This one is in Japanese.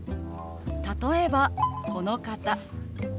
例えばこの方。